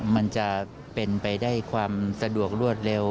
มันจะเป็นไปได้ความสะดวกรวดเร็ว